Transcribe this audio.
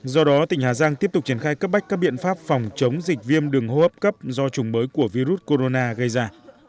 do đó tỉnh hà giang tiếp tục triển khai cấp bách các biện pháp phòng chống dịch viêm đường hô hấp cấp do chủng mới của virus corona gây ra